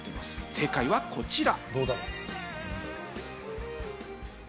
正解はこちら。